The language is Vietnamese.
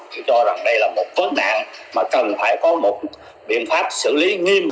tôi cho rằng đây là một vấn đạn mà cần phải có một biện pháp xử lý nghiêm